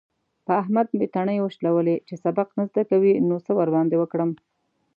په احمد مې تڼۍ وشلولې. چې سبق نه زده کوي؛ نو څه ورباندې وکړم؟!